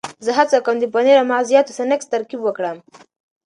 زه هڅه کوم د پنیر او مغزیاتو سنکس ترکیب وکړم.